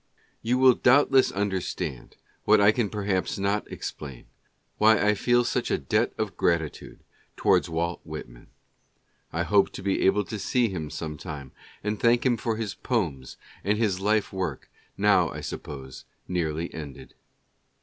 You will doubtless understand, what I can perhaps not explain, why I feel such a debt of gratitude towards Walt Whitman. ... I hope to be able to see him some time, and thank him for his poems and his life work, now, I suppose, nearly ended. ..